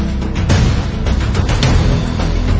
สวัสดีครับ